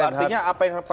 artinya apa yang